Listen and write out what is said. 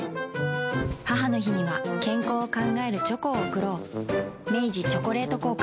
母の日には健康を考えるチョコを贈ろう明治「チョコレート効果」